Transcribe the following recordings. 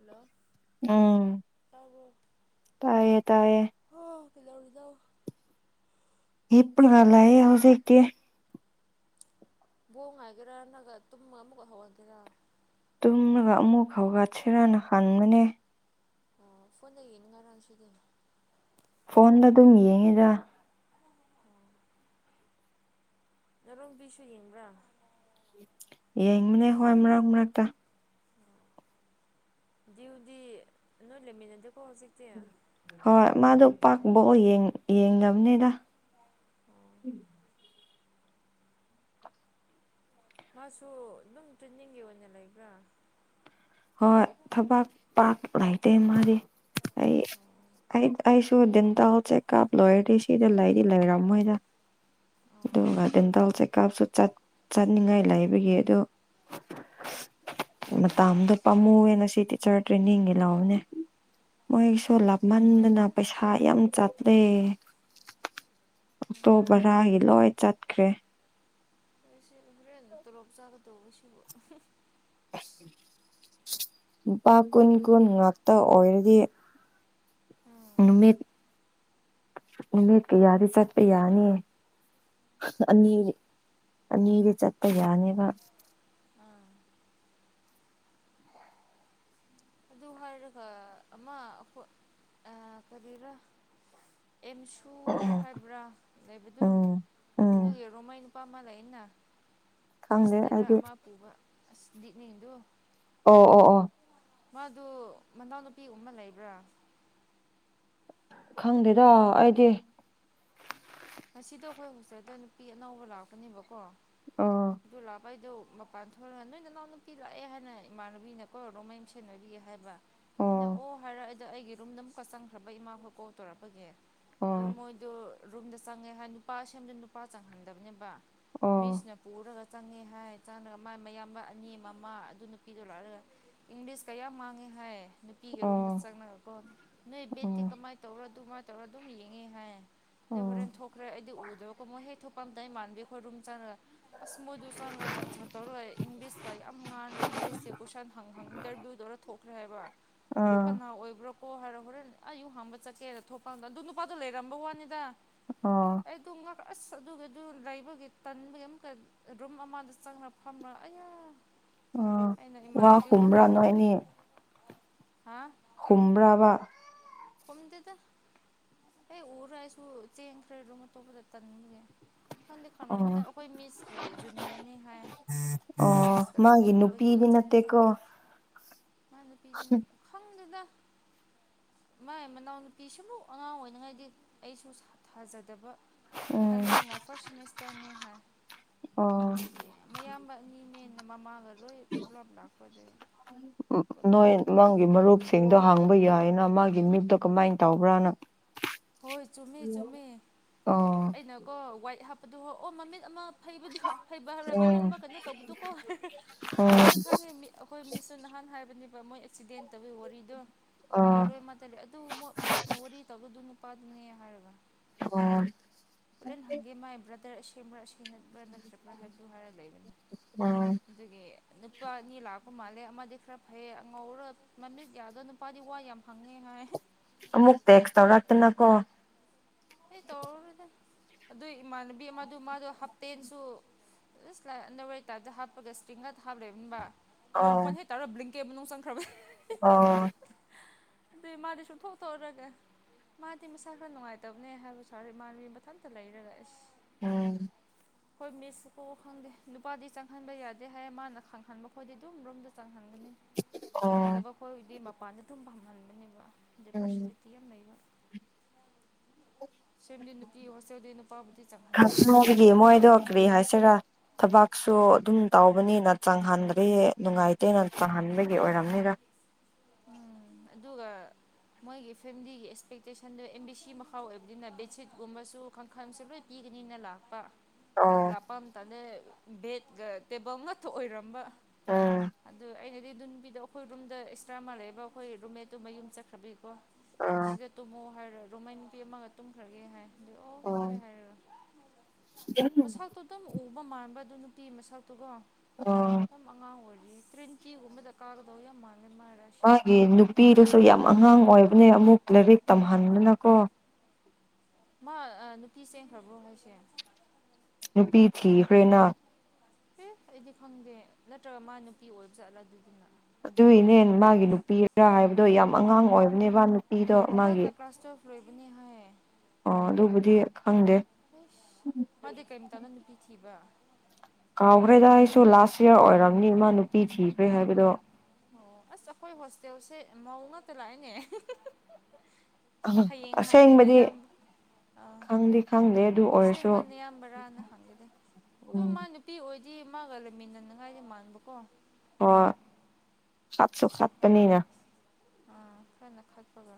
hello ꯎꯝ ꯇꯥꯕ꯭ꯔꯣ ꯇꯌꯦ ꯇꯌꯦ ꯍꯣ ꯀꯩꯗꯧꯔꯤꯅꯣ ꯒꯤꯄꯅꯒ ꯂꯌꯦ ꯍꯧ ꯀ ꯕꯣꯡ ꯍꯥꯏꯥꯏꯒꯦꯔꯥꯅꯒ ꯇꯨꯝ ꯑꯃꯨꯛꯀ ꯍꯧꯍꯟꯒꯦꯔꯥ ꯇꯨꯝꯂꯒ ꯑꯃꯨꯛ ꯈꯥꯎꯒ ꯁꯤꯔꯅ ꯈꯟꯕꯅꯦ ꯑꯣ ꯐꯣꯟꯣꯟꯗ ꯌꯦꯅꯉꯔꯥꯡꯁꯤꯗ ꯐꯣꯟꯗ ꯑꯗꯨꯝ ꯌꯦꯡꯉꯦꯖ ꯔꯣꯡꯕꯤꯁꯨꯨ ꯌꯦꯅꯤꯡ꯭ꯔꯥ ꯑꯦ ꯃꯅꯤ ꯍ ꯃꯔꯥꯛ ꯃꯔꯥꯛꯇ ꯎꯗꯤ ꯅ ꯂꯃꯤꯅꯗ ꯍꯣꯏ ꯃꯥꯗ ꯄꯥꯛꯄꯑꯣ ꯌꯦꯡꯗꯅꯕꯅꯦꯗ ꯑꯣ ꯃꯥꯁꯨ ꯑꯗꯨꯝ ꯇꯤꯟꯅꯤꯡꯉꯦ ꯑꯣꯏꯅ ꯂꯩꯕ꯭ꯔꯥ ꯍꯣꯏ ꯊꯕꯛ ꯄꯥꯛ ꯂꯩꯇꯦ ꯃꯥꯗꯤ ꯑꯩ ꯑꯩ ꯑꯩꯁꯨꯗꯟ ꯇ ꯆꯦꯛꯀꯞ ꯂꯣꯏꯔꯤꯁꯤꯗ ꯂꯩꯗꯤ ꯂꯩꯔꯝꯣꯏꯗ ꯑꯣ ꯑꯗꯨꯒ ꯗꯦꯟꯇꯦꯜ ꯆꯦꯛꯑꯞꯁꯨ ꯆꯠꯅꯤꯡꯉꯥꯏ ꯂꯩꯕꯒꯤ ꯑꯗꯨ ꯃ ꯇ ꯑꯃꯗ ꯄꯥꯝꯃꯨꯦꯅ ꯁꯤ ꯇꯤꯆꯔ ꯇ꯭ꯔꯦꯅꯤꯡꯒꯤ ꯂꯥꯛꯑꯣꯅꯦ ꯃꯣꯏꯒꯤ ꯁꯣ ꯑꯥ ꯍꯣꯏ ꯂꯥꯞꯍꯟꯗꯅ ꯐꯩꯗ ꯄꯩꯁꯥ ꯌꯥꯝ ꯆ ꯑ ꯑꯣꯛꯇꯣ ꯎꯝ ꯚꯔꯥꯒꯤ ꯂꯣꯏ ꯆꯠꯈ꯭ꯔꯦ ꯁꯤ ꯍꯣꯔꯦꯟ ꯇꯣꯂꯣꯞ ꯆꯥꯒꯗꯧꯕ ꯁꯤꯕꯨ ꯎ ꯂꯨꯄꯥ ꯀꯨꯟ ꯀꯨꯟ ꯉꯥꯛꯇ ꯑꯣꯏꯔꯗꯤ ꯎꯝ ꯅꯨꯃꯤꯠ ꯅꯨꯃꯤꯠ ꯀꯌꯥꯗꯤ ꯆꯠꯄ ꯌꯥꯅꯤꯌꯦ ꯑꯅꯤ ꯑꯅꯤꯗꯤ ꯆꯠꯄ ꯌꯥꯅꯦꯕ ꯑꯥ ꯑꯗꯨ ꯍꯥꯏꯔꯒ ꯑꯃ ꯑꯩꯈꯣꯏ ꯀꯔꯤꯔꯥ ꯑꯦꯝꯁꯨ ꯍꯥꯏꯕ꯭ꯔꯥ ꯂꯩꯕꯗꯨꯣ ꯎꯝ ꯎꯝ ꯑꯗꯨꯒꯤꯔꯣꯃꯥꯏꯅ ꯑꯄꯥ ꯑꯃ ꯂꯩꯩꯅ ꯈꯪꯗꯦ ꯄ꯭ꯔꯤꯁꯇꯂ ꯑꯩꯗꯤ ꯑꯃ ꯄꯨꯕ ꯑꯁ ꯂꯤꯗꯤꯛꯅꯤꯡꯗꯨ ꯑꯣ ꯑꯣ ꯑꯣ ꯃꯥꯗꯨ ꯃꯅꯥꯎꯅꯨꯄꯤꯒꯨꯝ ꯑꯃ ꯂꯩꯕ꯭ꯔꯥ ꯈꯪꯗꯦꯗ ꯑꯩꯗꯤ ꯉꯁꯤꯗꯣ ꯑꯩꯈꯣꯏ ꯍꯣꯁꯇꯦꯜꯗ ꯅꯨꯄꯤ ꯑꯅꯧꯕ ꯂꯥꯛꯄꯅꯦꯕꯀꯣ ꯑꯥ ꯕꯩꯗꯣ ꯃꯄꯥꯟ ꯊꯣꯛꯔꯒ ꯅꯣꯏ ꯅꯅꯥꯎ ꯅꯨꯄꯤ ꯂꯥꯛꯑꯦ ꯍꯥꯏꯅ ꯏꯃꯥꯟꯅꯕꯤꯅ ꯀꯣꯏꯔꯗꯧ ꯃꯌꯨꯝ ꯁꯦꯟꯅꯕꯤꯌꯦ ꯍꯥꯏꯕ ꯑꯩꯅ ꯑꯣ ꯍꯥꯏꯔꯛꯑꯦꯗꯣ ꯑꯩꯒꯤ ꯔꯨꯝꯗ ꯑꯃꯨꯛꯀ ꯆꯪꯈ꯭ꯔꯕ ꯏꯃꯥꯈꯣꯏ ꯀꯣꯜ ꯇꯧꯔꯛꯄꯒꯦ ꯑꯣ ꯑꯗꯨ ꯃꯣꯏꯗꯣ ꯔꯨꯝꯗ ꯆꯪꯉꯦ ꯍꯥꯏ ꯅꯨꯄꯥ ꯁꯦꯝꯗꯅ ꯅꯨꯄꯥ ꯆꯪꯍꯟꯗꯕꯅꯦꯕ ꯃꯤ ꯑꯣ ꯏꯁꯅ ꯄꯔ ꯆꯪꯉꯦ ꯍꯥꯏ ꯆꯪꯉꯒ ꯃꯥꯏ ꯃꯌꯥꯝꯕ ꯑꯅꯤ ꯃꯃꯥ ꯑꯗꯨ ꯅꯨꯄꯤꯗꯣ ꯂꯥꯛꯂꯒ ꯏꯪꯂꯤꯁ ꯀꯌꯥꯝ ꯃꯥꯡꯉꯦ ꯍꯣꯏ ꯅꯨꯄꯤꯒꯤ ꯔꯨꯝꯗ ꯑꯣ ꯆꯪꯅꯔꯀꯣ ꯅꯣꯏ ꯑꯣ ꯕꯦꯠꯇꯤ ꯀꯃꯥꯏꯅ ꯇꯧꯔ ꯑꯗꯨꯃꯥꯏꯅ ꯇꯧꯔ ꯑꯗꯨꯝ ꯌꯦꯡꯉꯦ ꯍꯥꯏ ꯑꯗ ꯑꯣ ꯍꯣꯔꯦꯟ ꯊꯣꯛꯈ꯭ꯔꯦ ꯑꯩꯗꯤ ꯎꯗꯕꯀꯣ ꯃꯣꯏ ꯍꯦꯛ ꯊꯣꯛꯄ ꯑꯝꯇ ꯑꯩ ꯃꯥꯟꯕꯤꯈꯣꯏ ꯔꯨꯝ ꯆꯪꯉꯒ ꯑꯁꯃꯨꯠ ꯁꯟꯒ ꯆꯠꯇꯧꯔꯦ ꯏꯪꯂꯤꯁꯀ ꯌꯥꯝ ꯉꯥꯟꯔꯦ ꯏꯪꯂꯤꯁꯁꯦ ꯀꯣꯏꯁꯟ ꯍꯪ ꯏꯟꯇꯔꯚꯌꯨ ꯇꯧꯔ ꯊꯣꯛꯈ꯭ꯔꯦ ꯍꯥꯏꯕ ꯑꯩ ꯑꯥ ꯀꯅꯥ ꯑꯣꯏꯕ꯭ꯔꯣ ꯑꯣ ꯍꯥꯏꯔꯣ ꯍꯣꯔꯦꯟ ꯑꯩꯌꯨ ꯍꯥꯡꯕ ꯆꯠꯀꯦꯅ ꯊꯣꯛꯄꯝꯗ ꯑꯗꯨ ꯅꯨꯄꯥꯗꯣ ꯂꯩꯔꯝꯕ ꯋꯥꯅꯤꯗ ꯑꯣ ꯑꯩ ꯑꯗꯨ ꯑꯁ ꯑꯗꯨꯒꯤ ꯑꯗꯨ ꯂꯩꯕꯒꯤ ꯇꯟꯕꯒꯤ ꯑꯃꯨꯛꯇ ꯔꯨꯝ ꯑꯃꯗ ꯆꯪ ꯐ ꯑꯩꯅ ꯎ ꯋꯥ ꯀꯨꯝꯕ꯭ꯔꯥ ꯏꯃꯥꯟꯅꯕꯤꯉꯣꯟꯗ ꯅꯣꯏꯅꯤ ꯍꯥ ꯈꯨꯝ꯭ꯔꯕ ꯍꯣꯝꯗꯗ ꯑꯩ ꯎꯔ ꯑꯩꯁꯨ ꯆꯦꯡꯈ꯭ꯔꯦꯔ ꯑꯇꯣꯞꯄꯗ ꯇꯟꯒꯦ ꯈꯪꯗꯦ ꯈꯅꯥ ꯑꯣ ꯑꯃꯗ ꯑꯩꯈꯣꯏ ꯃꯤꯁꯀꯤ ꯖꯨꯅꯤꯌꯔꯅꯤ ꯍꯥꯏ ꯑꯗ ꯑꯣ ꯃꯤꯁꯀ ꯃꯥꯒꯤ ꯅꯨꯄꯤꯗꯤ ꯅꯠꯇꯦꯀꯣ ꯃꯅ ꯄꯤꯖꯅꯦ ꯈꯪꯗꯗ ꯃ ꯃ ꯄꯤꯤꯁꯃꯨ ꯑ ꯉꯥꯏꯗꯤ ꯑꯩꯁꯨ ꯊꯥꯖꯗꯕ ꯎꯝ ꯍꯟꯗꯛꯅ ꯐꯥꯔ꯭ꯁ ꯁꯦꯃꯤꯁꯇꯔꯅꯤ ꯍꯥꯏ ꯎꯝ ꯑꯗꯨꯗꯤ ꯃꯌꯥꯝꯕ ꯑꯅꯤꯅꯦ ꯍꯦꯟꯅ ꯃꯃꯥꯒ ꯂꯣꯏ ꯄꯨꯂꯞ ꯂꯥꯛꯄꯗꯗꯤ ꯅꯣꯏ ꯃꯥꯒꯤ ꯃꯔꯨꯞꯁꯤꯡꯗꯣ ꯍꯥꯡꯕ ꯌꯥꯏꯅ ꯃꯥꯒꯤ ꯃꯤꯞꯇꯣ ꯀꯃꯥꯏꯅ ꯇꯧꯕ꯭ꯔꯥꯅ ꯍꯣꯏ ꯆꯨꯝꯃꯤ ꯆꯨꯝꯃꯤ ꯑꯣ ꯑꯩꯅꯀꯣ ꯋꯥꯏꯠ ꯍꯥꯞꯄꯗꯨ ꯍ ꯑꯣ ꯃꯃꯤꯠ ꯑꯃ ꯍꯩꯕꯗꯨ ꯍꯩꯕ ꯍꯥꯏꯕꯔ ꯃꯃꯤꯠ ꯎꯝ ꯑꯃ ꯀꯩꯅꯣ ꯇꯧꯕꯗꯨꯀꯣ ꯍꯣꯏ ꯎꯝ ꯍꯣꯏ ꯈꯪꯉꯦ ꯃꯤ ꯑꯩꯈꯣꯏ ꯃꯤꯁꯨ ꯅꯍꯥꯟ ꯍꯥꯏꯕ ꯃꯣꯏ ꯑꯦꯛꯁꯤꯗꯦꯟ ꯇꯧꯒꯤ ꯋꯥꯔꯤꯗꯣ ꯍ ꯑꯥ ꯂꯣꯏ ꯃꯥꯂ ꯑꯗꯨ ꯃꯤꯁꯅ ꯋꯥꯔꯤ ꯇꯧꯕꯗꯨ ꯄꯗꯅꯤ ꯍꯥꯏꯔꯒꯥ ꯑꯣ ꯦꯟ ꯍꯪꯦ ꯃꯥꯥꯏꯕ꯭ꯔꯗꯔꯁꯕ꯭ꯔ ꯊꯦꯡꯅꯕ꯭ꯔꯥ ꯅꯠꯇ꯭ꯔꯕ꯭ꯔꯥ ꯍꯥꯏꯕꯗꯨ ꯍꯥꯏꯔꯒ ꯂꯩꯕꯅꯤ ꯎꯝ ꯑꯗꯨꯒꯤ ꯅꯨꯄꯥ ꯑꯅꯤ ꯂꯥꯛꯄ ꯃꯥꯜꯂꯦ ꯑꯃꯗꯤ ꯈꯔ ꯐꯩꯌꯦ ꯑꯉꯧꯔ ꯃꯃꯤꯁ ꯌꯥꯗꯣ ꯅꯨꯄꯥꯗꯤ ꯋꯥ ꯌꯥꯝ ꯐꯪꯉꯦ ꯍꯥꯏ ꯑꯃꯨꯛ ꯇꯦꯛꯁ ꯇꯧꯔꯛꯇꯅꯀꯣ ꯑꯩ ꯇꯧꯔꯔꯣꯏꯗ ꯑꯗꯨ ꯏꯃꯥꯟꯅꯕꯤ ꯑꯃꯗꯨ ꯃꯥꯗꯨ ꯍꯥꯞꯇꯦꯟꯁꯨ ꯥꯏ ꯑꯟ ꯍꯥꯞꯄꯒ ꯏꯁꯇꯡ ꯍꯥꯞꯂꯦꯕꯅꯤꯕ ꯃꯣꯏ ꯃꯈꯣꯟ ꯍ ꯇꯧꯔ ꯕ꯭ꯡꯀꯦ ꯃꯅꯨꯡꯪ ꯑ ꯑꯗꯨꯗꯤ ꯃꯥꯗꯤ ꯁꯨꯝꯊꯣꯛꯇꯎꯔꯒ ꯃꯥꯗꯤ ꯃꯁꯥ ꯈ ꯅꯨꯡꯉꯥꯏꯇꯦ ꯇꯞꯅꯦ ꯍꯥꯏꯕꯁꯨꯔ ꯏꯃꯥꯟꯕꯤ ꯃꯊꯟꯇ ꯂꯩꯔꯒ ꯑꯦꯁ ꯎꯝ ꯍꯣꯏ ꯃꯤꯁ ꯀꯣꯛꯎ ꯈꯪꯗꯦ ꯅꯨꯄꯥꯗꯤ ꯆꯪꯍꯟꯕ ꯌꯥꯗꯦ ꯍꯥꯏ ꯃꯥꯅ ꯈꯪꯍꯟꯕ ꯈꯣꯏꯗꯤ ꯑꯗꯨꯝ ꯔꯣꯝꯗ ꯆꯪꯍꯟꯕ ꯑꯣ ꯈꯪꯗꯕ ꯈꯈꯣꯏꯗꯤ ꯃꯄꯥꯟꯗ ꯑꯗꯨꯝ ꯐꯝꯍꯟ ꯗ ꯄꯁꯤ ꯎꯝ ꯂꯤꯇ ꯌꯥꯝ ꯃꯩꯕ ꯁꯝꯗꯤ ꯅꯨꯄꯤ ꯍꯣꯁꯇꯦꯜꯗꯤ ꯅꯨꯄꯥꯕꯨꯗꯤ ꯆꯪꯍꯜꯂꯣꯏꯗꯕꯅꯦꯕ ꯐꯔꯤ ꯍꯥꯏꯁꯤꯔ ꯊꯕꯛꯁꯨ ꯑꯗꯨꯝ ꯇꯧꯕꯕꯅꯤꯅ ꯆꯪꯍꯟꯗ꯭ꯔꯦ ꯅꯨꯡꯉꯥꯏꯇꯦꯅ ꯆꯪꯍꯟꯕꯒꯤ ꯑꯣꯏꯔꯝꯅꯤꯔ ꯎꯝ ꯑꯗꯨꯒ ꯑꯗꯨꯒꯒ ꯃꯣꯏꯒꯤ ꯐꯦꯃꯤꯂꯤꯒꯤ ꯑꯦꯛꯁꯄꯦꯛꯇꯦꯁꯟꯗꯣ ꯑꯦꯝ ꯕꯤ ꯁꯤ ꯃꯈꯥꯎ ꯑꯣꯏꯕꯅꯤꯅ ꯕꯦꯠꯁꯤꯠꯀꯨꯝꯕꯁꯨ ꯀꯥꯡꯈꯜꯁꯨ ꯂꯣꯏ ꯄꯤ ꯅꯤꯅ ꯂꯥꯛꯄ ꯑꯣ ꯂꯥꯛꯄ ꯑꯃꯇꯗ ꯕꯦꯗ ꯇꯦꯕꯜꯒ ꯑꯣꯏꯔꯝꯕ ꯎꯝ ꯑꯗꯨ ꯑꯩꯅꯗꯤ ꯑꯗꯨꯕꯤꯗꯣ ꯑꯩꯈꯣꯏ ꯔꯨꯝꯗ ꯇ꯭ꯔꯃ ꯂꯩꯕ ꯑꯩꯈꯣꯏ ꯔꯨꯝꯃꯦꯠꯇꯨ ꯃꯌꯨꯝ ꯆꯠꯈ꯭ꯔꯕꯩꯀꯣ ꯑꯣ ꯁꯤꯗ ꯇꯨꯝꯃꯣ ꯍꯥꯏꯔꯒ ꯔꫭꯡꯃꯩ ꯅꯨꯄꯤ ꯑꯃꯒ ꯇꯨꯝꯈ꯭ꯔꯒꯦ ꯍꯥꯏ ꯑꯣ ꯍꯣꯏ ꯍꯣꯏ ꯍꯥꯏꯔꯣ ꯃꯁꯛꯇꯣ ꯑꯗꯨꯝ ꯎꯕ ꯃꯥꯟꯕ ꯑꯗꯨ ꯅꯨꯄꯤ ꯃꯁꯛ ꯗꯨꯒ ꯑꯣ ꯌꯥꯝ ꯑꯡꯉꯥꯡ ꯑꯣꯏꯔꯤ ꯇ꯭ꯔꯤꯟꯇꯤꯒꯨꯝꯕꯗ ꯀꯥꯒꯗꯧ ꯌꯥꯝ ꯃꯥꯥꯟꯂꯦ ꯃꯥ ꯔꯥꯁꯤꯗꯣ ꯃꯥꯒꯤ ꯅꯨꯄꯤꯗꯨꯁꯨ ꯌꯥꯝ ꯑꯉꯥꯡ ꯑꯣꯏꯕꯅꯦ ꯑꯃꯨꯛ ꯂꯥꯏꯔꯤꯛ ꯇꯝꯍꯟꯕꯅꯀꯣ ꯃꯥ ꯅꯨꯄꯤ ꯆꯦꯟꯈ꯭ꯔꯕꫭ ꯍꯥꯏꯁꯦ ꯅꯨꯄꯤ ꯊꯤꯈ꯭ꯔꯦꯅ ꯑꯦ ꯑꯩꯗꯤ ꯈꯪꯗꯦ ꯅꯠꯇ꯭ꯔꯒ ꯃꯥ ꯅꯨꯄꯤ ꯑꯣꯏꯕ ꯆꯠꯂ ꯑꯗꯨꯗꯤꯅ ꯑꯗꯨꯏꯅꯦ ꯃꯥꯒꯤ ꯅꯨꯄꯤꯔ ꯍꯥꯏꯕꯗꯣ ꯌꯥꯝ ꯑꯉꯥꯡ ꯑꯣꯏꯕꯅꯦꯕ ꯅꯨ ꯍꯟꯗꯛꯅ ꯀ꯭ꯂꯥꯁ ꯇꯐꯋꯦꯜꯚ ꯂꯣꯏꯕꯅꯦ ꯍꯥꯏ ꯑꯣ ꯑꯗꯨꯕꯨꯗꯤ ꯈꯪꯗꯦ ꯃꯥꯗꯤ ꯀꯔꯤꯃꯇꯝꯗ ꯅꯨꯄꯤ ꯊꯤꯕ ꯀꯥꯎꯈ꯭ꯔꯦꯗ ꯑꯩꯁꯨ ꯂꯥꯁ ꯏꯌꯥ ꯑꯣꯏꯔꯝꯅꯤ ꯃꯥ ꯅꯨꯄꯤ ꯊꯤꯈ꯭ꯔꯦ ꯍꯥꯏꯕꯗꯣ ꯑꯣ ꯑꯁ ꯑꯩꯈꯣꯏ ꯍꯣꯁꯇꯦꯜꯁꯦ ꯃꯧ ꯉꯛꯇ ꯂꯥꯛꯏꯅꯦ ꯑ ꯑꯁꯦꯡꯕꯗꯤ ꯑꯥ ꯈꯪꯗꯤ ꯈꯪꯗꯦ ꯑꯗꯨ ꯑꯣꯏꯔꯁꯨ ꯁꯦꯡꯕ ꯅꯌꯥꯝꯕꯔꯥꯅ ꯍꯪꯒꯦꯗ ꯑꯗꯨ ꯎꯝ ꯃꯥ ꯅꯨꯄꯤ ꯑꯣꯏ ꯗꯤ ꯃꯥꯒ ꯂꯩꯃꯤꯟꯅꯅꯉꯥꯏꯗꯤ ꯃꯥꯟꯕꯀꯣ ꯍꯣꯏ ꯈꯠꯁꯨ ꯈꯠꯄꯅꯤꯅ ꯑꯥ ꯈꯔꯅ ꯈꯠꯄꯒ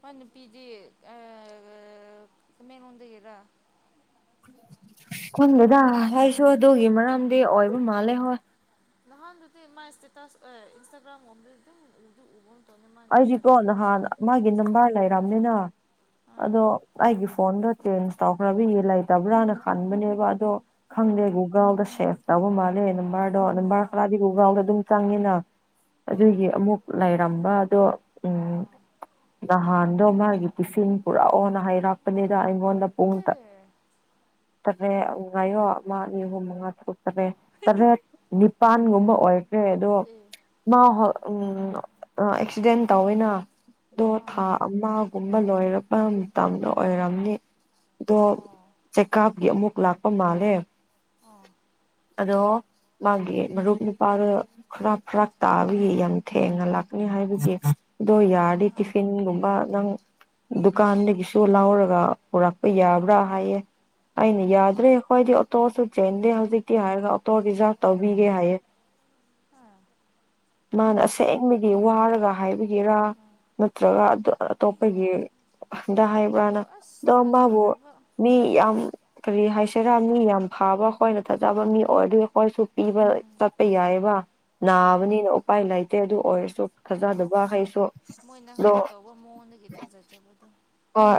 ꯃꯥ ꯅꯨꯄꯤꯤꫪꯗꯤ ꯑ ꯇꯃꯦꯡꯂꫭꯡꯗꯒꯤꯔ ꯈꯪꯗꯦꯗ ꯑꯩꯁꯨ ꯑꯗꯨꯒꯤ ꯃꯔꯝꯗꯤ ꯑꯣꯏꯕ ꯃꯥꯜꯂꯦ ꯍꯣꯏ ꯅꯍꯥꯟ ꯗꯨꯗꯤ ꯃꯥꯥꯏ ꯏꯁꯇꯦꯇꯥ ꯑꯦ ꯏꯟꯁꯇꯒ꯭ꯔꯝ [unintelligible] ꯑꯩꯗꯤꯀꯣ ꯅꯍꯥꯟ ꯃꯥꯒꯤ ꯅꯕꯥꫪ ꯎꯗꯦꯅ ꯂꯩꯔꯝꯅꯤꯅ ꯑꯥ ꯑꯗꯣ ꯑꯩꯒꯤ ꯐꯣꯟꯗ ꯆꯦꯟꯁ ꯇꯧꯈ꯭ꯔꯕꯤ ꯂꯩꯇꯕ꯭ꯔꯥꯅ ꯈꯟꯕꯅꯦꯕ ꯑꯗꯣ ꯈꯪꯗꯦ ꯑꯣ ꯒꯨꯒꯜꯗ ꯁꯦꯐ ꯇꯧꯕ ꯃꯥꯜꯂꯦꯅ ꯕꫪꯗꫭ ꯅꯝꯕꫪ ꯑꯣ ꯈꯔꯗꯤ ꯒꯨꯒꯜꯗ ꯑꯗꯨꯝ ꯆꯪꯉꯤꯅ ꯑꯥ ꯑꯗꯨꯒꯤ ꯑꯃꯨꯛ ꯂꯩꯔꯝꯕ [unintelligible] ꯅꯍꯥꯟꯗꯣ ꯃꯥꯒꯤ ꯄꯤꯁꯤꯟ ꯄꯨꯔꯛꯑꯣꯅ ꯍꯩꯔꯛꯄꯅꯤꯗ ꯑꯩꯉꯣꯟꯗ ꯄꯨꯡ ꯑꯦ [unintelligible] ꯇꯔꯦꯠ ꯅꯤꯄꯥꯟꯒꯨꯝꯕ ꯑꯣꯏ ꯔꯦ ꯑꯗꯣ ꯑꯦ ꯃꯥ ꯍ ꯑꯥ ꯑꯦꯛꯁꯤꯗꯦꯟ ꯇꯧꯋꯦꯅ ꯗꯣ ꯑꯥ ꯊꯥ ꯑꯥ ꯑꯃꯒꯨꯝꯕ ꯂꯣꯏꯔꯛꯄ ꯃꯇꯝꯗ ꯑꯣꯏꯔꯝꯅꯤ ꯑꯗꯣ ꯑꯣ ꯆꯦꯛꯀꯥꯞꯒꯤ ꯑꯃꯨꯛ ꯂꯥꯛꯄ ꯃꯥꯜꯂꯦ ꯑ ꯑꯗꯣ ꯃꯥꯒꯤ ꯃꯔꯨꯞ ꯅꯨꯄꯥꯗꫭ ꯈꯔꯐꯔꯛ ꯇꯥꯕꯒꯤ ꯌꯥꯝ ꯊꯦꯡꯅ ꯂꯥꯛꯀꯅꯤ ꯍꯥꯏꯕ [unintelligible] ꯑꯗꯣ ꯌꯥꯔꯗꯤ ꯑꯥ ꯇꯤꯐꯤꯟꯒꯨꯝꯕ ꯅꯪ ꯗꯨꯀꯥꯟꯗꯒꯤꯁꯨ ꯂꯧꯔꯒ ꯄꯨꯔꯛꯄ ꯌꯥꯕ꯭ꯔ ꯍꯥꯏꯌꯦ ꯑꯩꯅ ꯑꯥ ꯌꯥꯗ꯭ꯔꯦ ꯑꯩꯈꯣꯏꯗꯤ ꯑꯣꯇꯣꯁꯨ ꯆꯦꯟꯗꯦ ꯍꯧꯖꯤꯛꯇꯤ ꯍꯥꯏꯔꯒ ꯑꯣꯇꯣ ꯔꯤꯖꯥꯔꯚ ꯇꯧꯕꯤꯒꯦ ꯑꯥ ꯑꯥ ꯍꯥꯏꯌꯦ ꯃꯥꯅ ꯀꯤꯖꯩꯌꯦ ꯑꯁꯦꯡꯕꯗꯤ ꯋꯥꯔꯒ ꯍꯥꯏꯕꯒꯤꯔ ꯑꯥ ꯅꯠꯇ꯭ꯔꯒ ꯑꯇꯣꯞꯄꯒꯤ ꯍꯣꯏ ꯗ ꯍꯥꯏꯕ꯭ꯔꯥꯅ ꯑꯗꯨ ꯑꯁ ꯑꯗꫭ ꯃꯥꯕꯨ ꯊꯥꯖꯗ꯭ꯔꯕ ꯃꯤ ꯌꯥꯝ ꯀꯔꯤ ꯍꯥꯏꯁꯤꯔ ꯃꯤ ꯌꯥꯝ ꯐꯥꯕ ꯑꯩꯈꯣꯏꯅ ꯊꯥꯖꯕ ꯃꯤ ꯑꯣꯏꯔꯗꯤ ꯑꯩꯈꯣꯏꯁꯨ ꯄꯤꯕ ꯎꯝ ꯆꯠꯄ ꯌꯥꯏꯌꯦꯕ ꯍꯣꯏ ꯅꯥꯕꯅꯤꯅ ꯎꯄꯥꯏ ꯂꯩꯇꯦ ꯑꯗꯨ ꯑꯣꯏꯁꯨ ꯑꯥ ꯊꯥꯖꯗꯕ ꯍꯩꯁꯨ ꯃꯣꯏꯅ ꯂꯣ ꯍꯥꯟꯅ ꯇꯧꯕ ꯃꯑꯣꯡꯗꯒꯤ ꯊꯥꯖꯗ꯭ꯔꯕꯗꯣ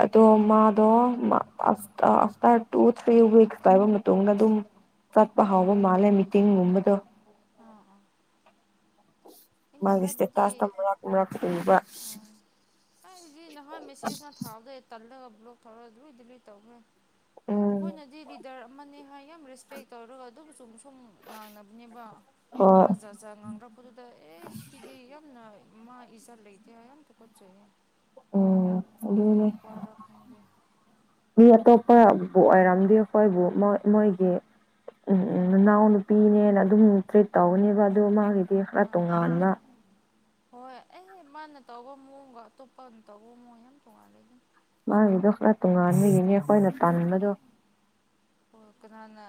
[unintelligible] ꯃꯥꯗꯣ ꯑꯐꯇꫪ ꯇꯨ ꯊ꯭ꯔꯤ ꯋꯤꯛꯁ ꯄꯥꯏꯕ ꯃꯇꯨꯡꯗ ꯑꯗꯨꯝ ꯆꯠꯄ ꯍꯧꯕ ꯃꯥꯜꯂꯦ ꯃꯤꯇꯤꯡꯒꯨꯝꯕꯗꯣ [inaudible] ꯑꯩꯅ ꯃꯥꯒꯤ ꯏꯁꯇꯦꯇꯥꯁꯇ ꯍꯥꯏꯕꯗꯤ ꯃꯔꯛ ꯃꯔꯛ ꯀꯗꯕ ꯑꯩꯗꯤ ꯅꯍꯥꯟ ꯃꯦꯁꯦꯖꯅ ꯊꯥꯕꯗꯩ ꯇꯜꯂꯒ ꯕ꯭ꯂꯣꯛ ꯇꯧꯔꯒ ꯂꯣꯏ ꯗꯤꯂꯤꯠ ꯇꯧꯈ꯭ꯔꯦ ꯎꯝ ꯑꯩꯈꯣꯏꯅꯗꯤ ꯂꯤꯗꯔ ꯑꯃꯅꯦ ꯍꯥꯏ ꯌꯥꯝ ꯔꯦꯁꯄꯦꯛ ꯇꯧꯔꯒ ꯑꯗꯨꯝ ꯆꯨꯝ ꯊꯨꯝ ꯉꯥꯡꯅꯕꯅꯦꯕ ꯍꯣꯏ ꯋꯥ ꯖꯥꯖꯥ ꯉꯥꯡꯗ꯭ꯔꯥꯄꯗꯨꯗ ꯑꯦ ꯁꯤꯤꯗꯤ ꯌꯥꯝꯅ ꯃꯥ ꯏꯖꯥ ꯂꯩꯇꯦ ꯑꯇ ꯀꯣꯠꯆꯩ ꯎꯝ ꯀꯔꯤꯅꯤ ꯑꯗꯨꯅꯦ ꯄꯔ ꯔꯪꯒꯦ ꯑꯩꯈꯣꯏꯕꯨ ꯑꯣꯏꯔꯝꯗꯤ ꯑꯩꯈꯣꯏꯕꯨ ꯃꯣꯏꯒꯤ ꯎꯝ ꯎꯝ ꯅꯅꯥꯎ ꯅꯨꯄꯤꯅꯦꯅ ꯑꯗꯨꯝ ꯇ꯭ꯔꯤꯠ ꯇꯧꯒꯅꯦꯕ ꯑꯗꯨꯣ ꯃꯥꯒꯤꯗꯤ ꯈꯔ ꯑꯥ ꯇꯣꯉꯥꯟꯥꯟꯕ ꯍꯣꯏ ꯑꯦ ꯃꯥꯅ ꯇꯧꯕ ꯃꯑꯣꯡꯒ ꯑꯇꯣꯞꯄꯅ ꯇꯧꯕ ꯃꯑꯣꯡ ꯌꯥꯝ ꯇꯣꯡꯉꯥꯟꯅꯂ ꯂꯩ ꯑꯗꯨ ꯃꯥꯒꯤꯗꯣ ꯈꯔ ꯇꯣꯉꯥꯟꯕꯒꯤꯅꯦ ꯑꯩꯈꯣꯏꯅ ꯇꯥꯟꯕꯗꯣ ꯑꯣ ꯀꯅꯥꯅ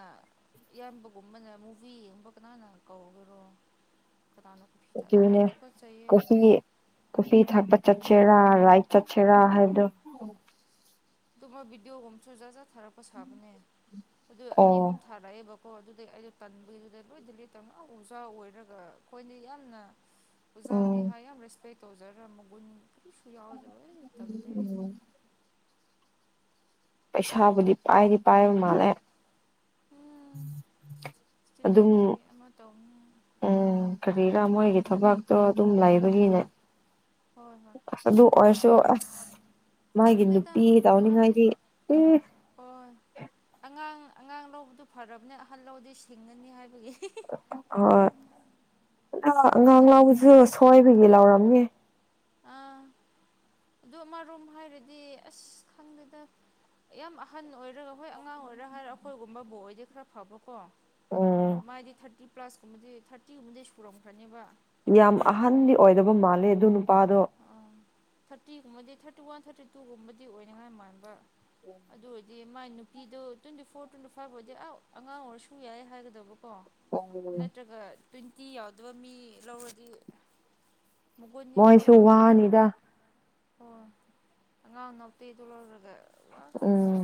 ꯏꯌꯥꯝꯕꯒꯨꯝꯕꯅ ꯃꯨꯚꯤꯒꯨꯝꯕ ꯀꯅꯥꯅ ꯀꯧꯈꯔꯣ ꯀꯅꯣ ꯀ ꯑꯩ ꯑꯗꯨꯅꯦ ꯇꯨꯀ ꯆꯗꯤ ꯆ ꯆꯦꯔꯥ ꯔꯥꯏꯠ ꯆꯠ ꯆꯦꯔꯥ ꯍꯥꯏꯗꯣ ꯑꯗꯨꯃꯣꯏ ꯚꯕꯤꯗꯤꯑꯣꯒꯣꯝꯁꯨ ꯖꯥꯠ ꯖꯥꯠ ꯊꯥꯔꯛꯄ ꯁꯥꯕꯅꯦ ꯑꯗꯨ ꯑꯅꯤ ꯑꯍꯨꯝ ꯑꯣ ꯊꯥꯔꯛꯑꯦꯕ ꯀꯣ ꯑꯗꯨꯗꯩ ꯑꯩꯗꯣ ꯇꯟꯕꯒꯤꯗꯨꯗ ꯂꯣꯏꯗ ꯂꯇ ꯉꯥꯎ ꯎꯖꯥ ꯑꯣꯏꯔꯒ ꯑꯩꯈꯣꯏꯅ ꯌꯥꯝꯅ ꯑꯣꯖꯥꯅꯤ ꯎꯝ ꯍꯥꯏ ꯌꯥꯝ ꯔꯦꯁꯄꯦꯛ ꯇꯧꯖꯔ ꯃꯒꯨꯟ ꯁꯨꯌꯥꯑꯣꯗꯕ ꯇꯝꯗꯗꯤ ꯎꯝ ꯄꯩꯁꯥꯕꯨꯗꯤ ꯄꯥꯏꯗꯤ ꯄꯥꯏꯔꯕ ꯃꯥꯜꯂꯦ ꯎꯝ ꯑꯗꯨꯝ ꯏꯁꯇꯨꯗꯦꯟꯒꯤ ꯑꯃ ꯇꯧꯅꯤ ꯎꯝ ꯀꯔꯤ ꯃꯣꯏꯒꯤ ꯊꯕꯛꯇꯣ ꯑꯗꯨꯝ ꯂꯩꯕꯒꯤꯅꯦ ꯍꯣꯏ ꯍꯣꯏ ꯑꯗꯨ ꯑꯗꯨ ꯑꯣꯏꯁꯨ ꯑ ꯆꯪꯗꯦꯗ ꯃꯥꯗꯤ ꯍ ꯑꯦ ꯑꯉꯥꯡ ꯑꯉꯥꯡ ꯂꯧꯕꯗꯨ ꯐꯔꯕꯅꯤ ꯑꯍꯜ ꯂꯧꯗꯤ ꯁꯤꯡꯉꯅꯤ ꯍꯥꯏꯕꯒꯤ ꯍ ꯑ ꯑꯗꯨ ꯍ ꯎꯖ ꯁꯣꯏꯕꯒꯤ ꯂꯥꯎꯔꯝꯒꯦ ꯑꯥ ꯑꯗꯨ ꯑꯃꯔꯣꯝ ꯍꯥꯏꯔꯗꯤ ꯑꯁ ꯈꯪꯗꯦꯗ ꯌꯥꯝ ꯑꯍꯟ ꯑꯣꯏꯔꯒ ꯍꯣꯏ ꯑꯉꯥꯡ ꯑꯣꯏꯔ ꯍꯥꯏꯔ ꯑꯩꯈꯣꯏꯒꯨꯝꯕꯕꯨ ꯑꯣꯏꯗꯤ ꯈꯔ ꯐꯕ ꯀꯣ ꯎꯝ ꯃꯥꯗꯤ ꯊꯥꯔꯇꯤ ꯄ꯭ꯂꯁꯀꯨꯝꯕꯗꯤ ꯊꯥꯔꯇꯤꯒꯨꯝꯕꯗꯤ ꯁꯨꯔꯝꯈ꯭ꯔꯅꯦꯕ ꯌꯥꯝ ꯑꯍꯟꯗꯤ ꯑꯣꯏꯗꯕ ꯃꯥꯜꯂꯦ ꯑꯗꯨ ꯅꯨꯄꯥꯗꯣ ꯑꯥ ꯊꯥꯔꯇꯤꯒꯨꯝꯕꯗꯤ ꯊꯥꯔꯇꯤ ꯋꯥꯟ ꯊꯥꯔꯇꯤ ꯇꯨꯒꯨꯝꯕꯗꯤ ꯑꯣꯏꯅꯤꯉꯥꯏ ꯃꯥꯟꯕ ꯑꯗꯨ ꯑꯣꯏꯔꯗꯤ ꯃꯥꯏ ꯅꯨꯄꯤꯗꯣ ꯇ꯭ꯋꯦꯟꯇꯤ ꯐꯣꯔ ꯇ꯭ꯋꯦꯟꯇꯤ ꯐꯥꯏꯚ ꯐꯥꯎꯗꯤ ꯑ ꯑꯉꯥꯡ ꯑꯣꯏꯔꯁꯨ ꯌꯥꯏ ꯍꯥꯏꯒꯗꯕ ꯑꯣ ꯎꯝ ꯅꯠꯇ꯭ꯔꯒ ꯇ꯭ꯋꯦꯟꯇꯤ ꯌꯥꯎꯗꯕ ꯃꯤ ꯂꯧꯔꯗꯤ ꯃꯣꯏꯁꯨ ꯋꯥꯅꯤꯗ ꯑꯣ ꯑꯉꯥꯡ ꯅꯛꯇꯤ ꯇꯂꯔꯒ ꯎꯝ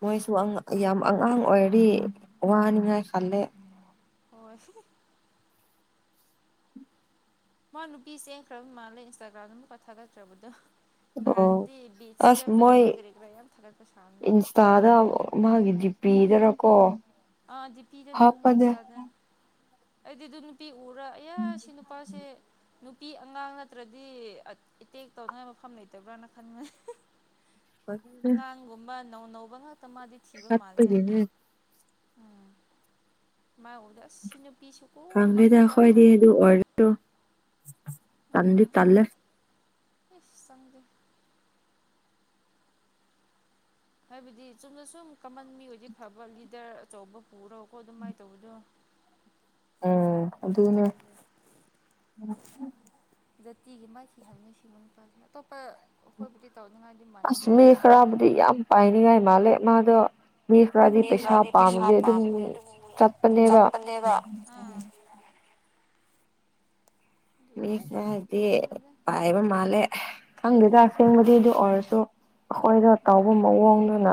ꯃꯣꯏꯁꯨ ꯌꯥꯝ ꯑꯉꯥꯡ ꯑꯣꯏꯔꯤ ꯋꯥꯅꯤꯉꯥꯏ ꯈꯜꯂꯦ ꯍꯣꯏꯣꯏ ꯃꯥ ꯅꯨꯄꯤ ꯆꯦꯟꯈ꯭ꯔꯕ ꯃꯥꯜꯂ ꯏꯟꯁꯇꯥꯒ꯭ꯔꯥꯝꯗ ꯑꯃꯨꯛꯀ ꯊꯥꯒꯠꯠꯇ꯭ꯔꯕꯗꯣ ꯑꯣ ꯅꯍꯥꯟꯗꯤ ꯕꯤꯆ ꯑꯁ ꯆꯠꯄꯒꯤ ꯃꯣꯏ ꯀꯔꯤ ꯀꯔꯥ ꯌꯥꯝ ꯊ ꯏꯟꯁꯇꯥꯗ ꯃꯥꯒꯤ ꯗꯤ ꯄꯤꯗꯔꯀꯣ ꯑꯥꯗꯤꯄꯤꯤꯗꯅꯦꯣꯏ ꯇꯥꯗ ꯑꯩꯗꯤ ꯑꯗꯨ ꯅꯨꯄꯤ ꯎ ꯄꯨꯔꯥ ꯑꯌꯥ ꯁꯤ ꯅꯨꯄꯥꯁꯦ ꯅꯨꯄꯤ ꯑꯉꯥꯡ ꯅꯠꯇ꯭ꯔꯗꯤ ꯑꯦꯇꯦꯛ ꯇꯧꯅꯉꯥꯏ ꯃꯐꯝ ꯂꯩꯇꯕ꯭ꯔꯅ ꯈꯟꯕꯅꯤ ꯑꯉꯥꯡꯒꯨꯝꯕ ꯅꯧ ꯅꯧꯕ ꯉꯥꯛꯇ ꯃꯥꯗꯤ ꯊꯤꯕ ꯃꯥꯜꯂꯦ ꯆꯠꯄꯒꯤꯅꯦ ꯎꯝ ꯃꯥꯏ ꯎꯕꯗ ꯑꯁꯤ ꯅꯨꯄꯤꯁꯨ ꯀꯣ ꯈꯪꯗꯦꯗ ꯄꯪꯉꯦꯗ ꯑꯩꯈꯣꯏꯗꯤ ꯑꯗꯨ ꯍꯥꯏꯔꯒ ꯑꯣꯏꯔꯁꯨ ꯇꯟꯗꯤ ꯇꯂꯦ ꯏꯐ ꯁꯪꯗꯦ ꯍꯥꯏꯕꯗꯤ ꯆꯨꯝꯅ ꯁꯨꯝ ꯀꯃꯟ ꯃꯤ ꯑꯣꯏꯗꯤ ꯐꯕ ꯂꯤꯗꯔ ꯑꯆꯧꯕ ꯄꯨꯔꯣꯀꯣ ꯑꯗꯨꯃꯥꯏꯅ ꯇꯧꯕꯗꯣ [inaudible] ꯎꯝ ꯑꯗꯨꯅꯦ ꯖꯇꯤꯒꯤ ꯃꯥꯊꯤ ꯈꯪꯅ ꯁꯤꯕ ꯑꯗꯨ ꯑꯁꯃꯤ ꯈꯔꯕꯨꯗꯤ ꯌꯥꯝ ꯄꯥꯏꯅꯤꯡꯉꯥꯏ ꯃꯥꯜꯂꯦ ꯃꯥꯗꯣ ꯃꯤ ꯈꯔꯗꯤ ꯃꯤ ꯄꯩꯁꯥ ꯄꯩꯁꯥ ꯄꯥꯝꯃꯗꯤꯦ ꯑꯗꯨꯝ ꯄꯥꯝꯕꯗꯤ ꯆꯠꯄꯅꯦꯕ ꯆꯠꯄꯅꯦꯕ ꯑꯥ ꯑꯗꯨꯒꯤ ꯃꯤꯁ ꯑꯁ ꯍꯥꯏꯗꯤ ꯇꯜꯂꯦꯗ ꯄꯥꯏꯕ ꯃꯥꯂꯦ ꯈꯪꯗꯦꯗ ꯁꯦꯡꯕꯗꯤ ꯑꯗꯨ ꯑꯣꯏꯔꯝꯃꯅꯤ ꯑꯣꯏꯔꯁꯨ ꯑꯩꯈꯣꯏꯗꯣ ꯇꯥꯎꯕ ꯑꯥ ꯃꯑꯣꯡꯗꯨꯅ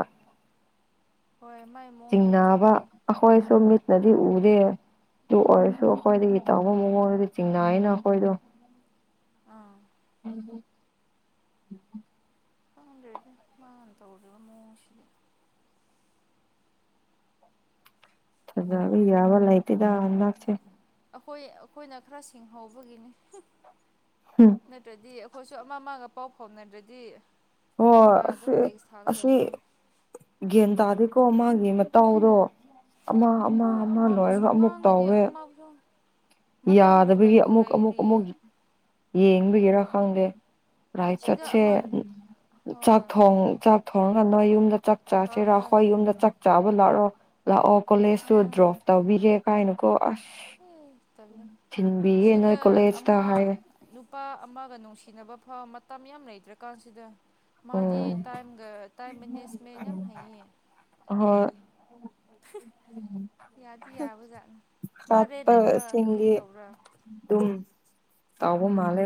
ꯍꯣꯏ ꯃꯥꯏ ꯃꯑꯣꯡꯗꯣ ꯆꯤꯡꯅꯕ ꯆꯨꯝꯗꯦ ꯑꯩꯈꯣꯏꯁꯨ ꯃꯤꯠꯅꯗꯤ ꯎꯗꯦ ꯑꯗꯨ ꯑꯣꯏꯔꯁꯨ ꯎꯝ ꯑꯩꯈꯣꯏꯗꯒꯤ ꯇꯧꯕ ꯃꯑꯣꯡꯗꯗꯤ ꯆꯤꯡꯅꯥ ꯍꯥꯏꯅ ꯑꯩꯈꯣꯏꯗꯣ ꯑꯥ ꯎ ꯇꯗꯗꯤ ꯃꯥꯅ ꯇꯧꯔꯕ ꯃꯣꯁꯤꯗꯤ ꯊꯖꯕꯤ ꯌꯥꯕ ꯂꯩꯥꯏꯇꯗ ꯂꯁꯦ ꯑꯩꯈꯣꯏ ꯑꯩꯈꯣꯏꯅ ꯈꯔ ꯁꯤꯡꯍꯧꯕꯒꯤꯅꯤ ꯎꯝ ꯅꯠꯇ꯭ꯔꯗꯤ ꯑꯩꯈꯣꯏꯁꯨ ꯑꯃ ꯑꯃꯒ ꯄꯥꯎ ꯐꯥꯎꯅꯗ꯭ꯔꯗꯤ ꯍ ꯃꯥ ꯑꯗꯨꯝ ꯑꯁꯤ ꯇꯦꯛꯁ ꯑꯁꯤ ꯊꯥꯒꯗꯧꯕꯅꯤ ꯌꯦꯒ ꯇꯗꯤ ꯀꯣ ꯃꯥꯒꯤ ꯃꯇꯥꯎꯗꯣ ꯑꯃ ꯑꯃ ꯍꯣꯏ ꯑꯃ ꯑꯃꯕꯨꯁꯨ ꯂꯣꯏꯔꯒ ꯑꯃꯨꯛ ꯉꯥꯡꯒꯅꯤ ꯇꯧꯋꯦ ꯑꯃꯕꯨꯁꯨ ꯃꯇꯝꯕꯨ ꯌꯥꯗꯕꯒꯤ ꯂꯩꯕꯨ ꯑꯃꯨꯛ ꯑꯃꯨꯛ ꯂꯩꯔꯤꯌꯦ ꯑꯃꯨꯛ ꯌꯦꯡꯕꯒꯤꯦꯔꯥ ꯍꯣꯏ ꯈꯪꯗꯦ ꯔꯥꯏ ꯁꯤꯗ ꯆꯠꯁꯦ ꯑꯃ ꯆꯥꯛ ꯍꯣꯏ ꯊꯣꯡ ꯆꯥꯛ ꯊꯣꯡ ꯅꯣꯏ ꯌꯨꯝꯗ ꯆꯥꯛ ꯍꯣꯏ ꯆꯁꯤꯔ ꯍꯣꯏ ꯑꯩꯈꯣꯏ ꯌꯨꯝꯗ ꯆ ꯆꯥꯕ ꯂꯥꯛꯑꯣ ꯂꯥꯛꯑꯣ ꯀꯣꯂꯦꯖꯇꯨ ꯗ꯭ꯔꯣꯞ ꯎꯝ ꯇꯧꯕꯤꯔꯦ ꯀꯥꯏꯅꯨꯀꯣ ꯑꯁ ꯑꯦ ꯇꯜꯂꯦ ꯊꯤꯟꯕꯤꯌꯦꯦ ꯅꯣꯏ ꯁꯤꯗ ꯀꯣꯂꯦꯖꯇ ꯑꯃ ꯍꯥꯏ ꯅꯨꯄꯥ ꯑꯃꯒ ꯅꯨꯡꯁꯤꯅꯕ ꯐꯥꯎ ꯃꯇꯝ ꯌꯥꯝ ꯂꯩꯇ꯭ꯔꯀꯥꯟꯁꯤꯗ ꯃꯥꯗꯤ ꯎꯝ ꯇꯥꯏ ꯇꯥꯏ ꯃꯅꯦꯁ ꯌꯥꯝ ꯍꯥꯏ ꯎꯝ ꯌꯥꯗꯤ ꯌꯥꯕꯖꯥꯠ ꯃꯥꯔꯦ ꯂꯩꯕ꯭ꯔꯥ ꯀꯔꯤ ꯆꯠꯄꯁꯤꯡꯗꯤ ꯇꯧꯕ꯭ꯔꯥ ꯑꯗꯨꯝ ꯇꯕꯨ ꯃꯥꯂꯦ